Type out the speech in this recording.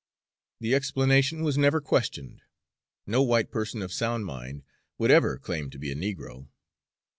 The explanation was never questioned. No white person of sound mind would ever claim to be a negro.